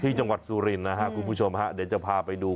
จังหวัดสุรินทร์นะครับคุณผู้ชมฮะเดี๋ยวจะพาไปดู